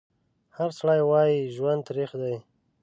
هر سړی وایي ژوند تریخ دی